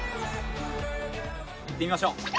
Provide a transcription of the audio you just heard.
行ってみましょう！